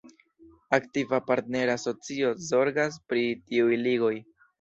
Aktiva partnera asocio zorgas pri tiuj ligoj.